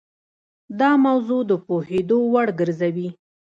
دا موضوع د پوهېدو وړ ګرځوي.